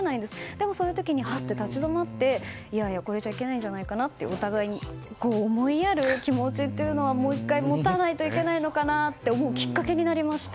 でも、そういう時に立ち止まっていやいやこれじゃいけないんじゃないかとお互いに思いやる気持ちはもう１回持たなきゃいけないと思うきっかけになりました。